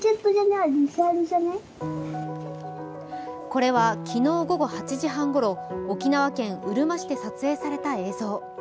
これは昨日午後８時半ごろ沖縄県うるま市で撮影された映像。